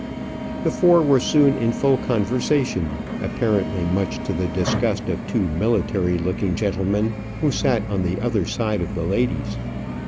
The four were soon in full conversation, apparently much to the disgust of two military looking gentlemen who sat on the other side of the ladies.